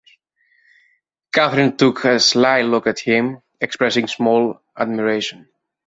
Catherine took a sly look at him, expressing small admiration.